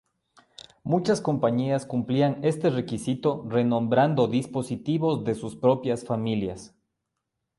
Muchas compañías cumplían este requisito renombrando dispositivos de sus propias familias.